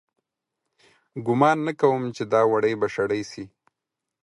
گومان نه کوم چې دا وړۍ به شړۍ سي